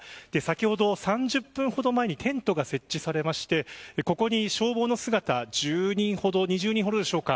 先ほど、３０分ほど前にテントが設置されてここに消防の姿１０人、２０人ほどでしょうか。